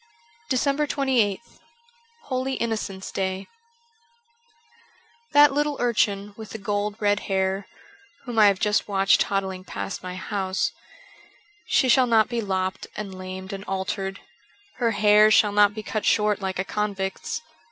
'* 402 DECEMBER 28th HOLY INNOCENTS' DAY THAT little urchin with the gold red hair (whom I have just watched toddling past my house), she shall not be lopped and lamed and altered ; her hair shall not be cut short like a convict's.